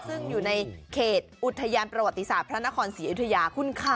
ซึ่งอยู่ในเขตอุทยานประวัติศาสตร์พระนครศรีอยุธยาคุณค่ะ